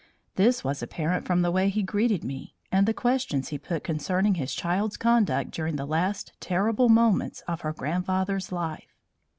This was apparent from the way he greeted me, and the questions he put concerning his child's conduct during the last terrible moments of her grandfather's life.